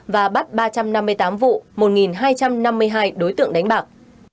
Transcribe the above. và bắt ba trăm năm mươi tám vụ một hai trăm năm mươi hai đối tượng đánh bạc